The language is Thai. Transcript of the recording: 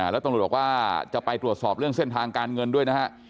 แล้วตำรวจบอกว่าจะไปตรวจสอบเรื่องเส้นทางการเงินด้วยนะฮะ